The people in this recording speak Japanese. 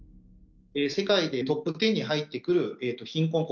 世界でトップ１０に入ってくる貧困国。